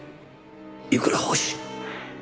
いくら欲しい？